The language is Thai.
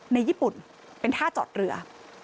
ในญี่ปุ่นเป็นท่าจอดเรือ